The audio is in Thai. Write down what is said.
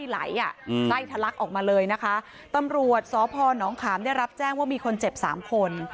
แล้วพอน้องขามได้รับแจ้งว่ามีคนเจ็บสามคน